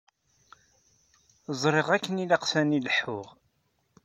Ẓriɣ akken ilaq sani leḥḥuɣ.